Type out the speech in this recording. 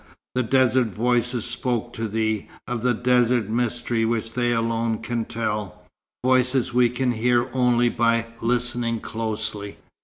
The desert voices spoke to thee, of the desert mystery which they alone can tell; voices we can hear only by listening closely."